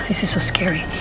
ini sangat menakutkan